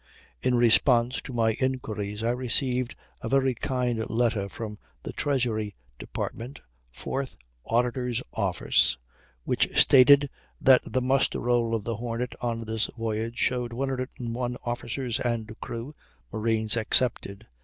In response to my inquiries, I received a very kind letter from the Treasury Department (Fourth Auditor's office), which stated that the muster roll of the Hornet on this voyage showed "101 officers and crew (marines excepted)."